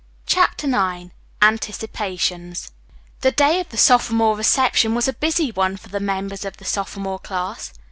CHAPTER IX ANTICIPATIONS The day of the sophomore reception was a busy one for the members of the sophomore class.